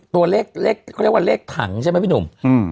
ตัวเล็กเขาเรียกว่าเล็กถังใช่มั้ยพี่หนุ่ม